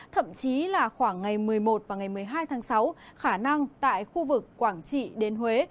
thậm chí là khoảng ngày một mươi một và ngày một mươi hai tháng sáu khả năng tại khu vực quảng trị đến huế